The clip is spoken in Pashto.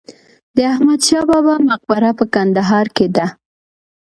د احمد شاه بابا مقبره په کندهار کې ده